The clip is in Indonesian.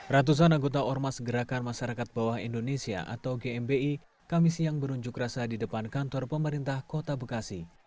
ratusan anggota ormas gerakan masyarakat bawah indonesia atau gmi kami siang berunjuk rasa di depan kantor pemerintah kota bekasi